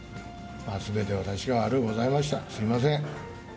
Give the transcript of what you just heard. すべて私が悪うございました、すみません。